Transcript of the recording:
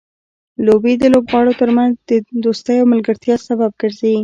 لوبې د لوبغاړو ترمنځ دوستۍ او ملګرتیا سبب ګرځي.